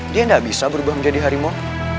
dia tidak bisa berubah menjadi harimau